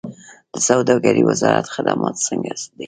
د سوداګرۍ وزارت خدمات څنګه دي؟